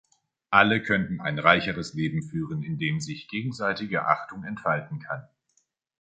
Alle könnten ein reicheres Leben führen, in dem sich gegenseitige Achtung entfalten kann.